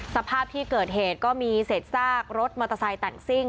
สภาพที่เกิดเหตุก็มีเศษซากรถมอเตอร์ไซค์แต่งซิ่ง